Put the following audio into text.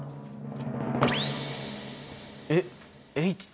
えっ！